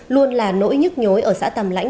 luôn là nỗi nhức nhối ở xã tàm lãnh